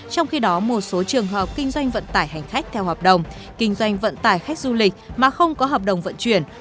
trong khi đó một số trường hợp kinh doanh vận tải hành khách theo hợp đồng kinh doanh vận tải khách du lịch mà không có hợp đồng vận chuyển